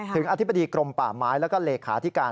อธิบดีกรมป่าไม้แล้วก็เลขาธิการ